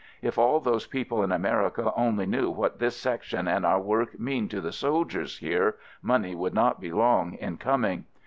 If all those people in America only knew what this Section and our work mean to the soldiers here, money would :not be long in coming.